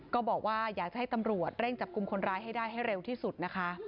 ก็บอกว่าอยากจะให้ตำรวจเร่งจับกลุ่มคนร้ายให้ได้ให้เร็วที่สุดนะคะ